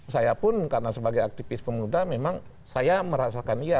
saya pun karena sebagai aktivis pemuda memang saya merasakan iya